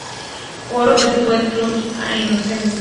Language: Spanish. Coro: Virtue, truth, and innocence.